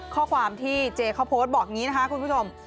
ข้อความที่เจเขาโพสต์บอกอย่างนี้นะคะคุณผู้ชม